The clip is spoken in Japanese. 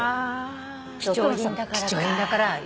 貴重品だからか。